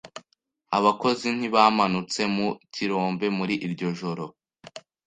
Abakozi ntibamanutse mu kirombe muri iryo joro. )